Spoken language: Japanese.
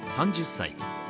３０歳。